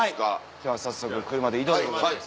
では早速車で移動でございます。